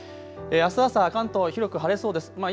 あす朝関東広く晴れそうです。